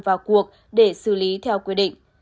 vào cuộc để xử lý theo quyết định